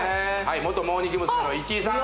元モーニング娘。の市井さん